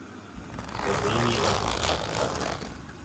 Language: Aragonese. Pos no n'i heba poquismas.